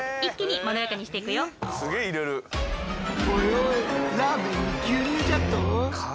おいおいラーメンに牛乳じゃと！？